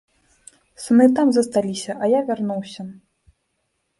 Сыны там засталіся, а я вярнуўся.